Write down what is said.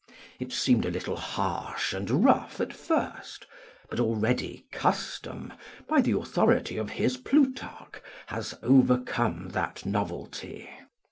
It seemed a little harsh and rough at first; but already custom, by the authority of his Plutarch, has overcome that novelty.